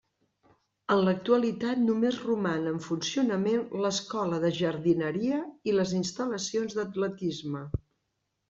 En l'actualitat només roman en funcionament l'escola de jardineria i les instal·lacions d'atletisme.